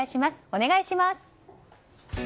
お願いします。